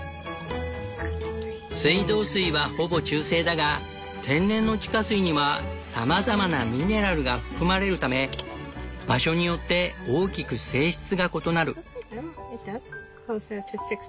水道水はほぼ中性だが天然の地下水にはさまざまなミネラルが含まれるため場所によって大きく性質が異なる。